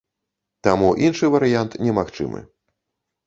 Таму, іншы варыянт немагчымы.